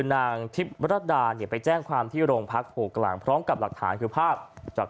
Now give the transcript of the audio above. นางทิพย์รัดดาเนี่ยไปแจ้งความที่โรงพักโหกลางพร้อมกับหลักฐานคือภาพจาก